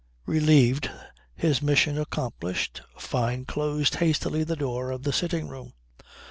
Relieved, his mission accomplished, Fyne closed hastily the door of the sitting room.